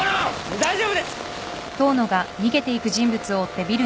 大丈夫です！